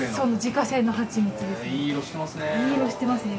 いい色してますね。